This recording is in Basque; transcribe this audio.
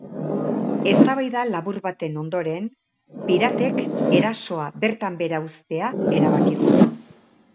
Eztabaida labur baten ondoren, piratak erasoa bertan behera uztea erabaki dute.